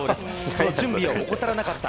その準備を怠らなかった。